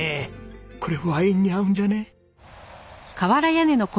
これワインに合うんじゃね？